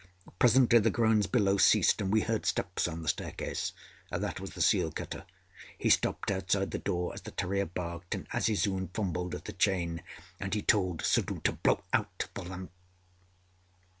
Presently, the groans below ceased, and we heard steps on the staircase. That was the seal cutter. He stopped outside the door as the terrier barked and Azizun fumbled at the chain, and he told Suddhoo to blow out the lamp.